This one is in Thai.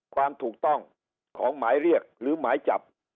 ความถูกต้องของหมายเรียกหรือหมายจับ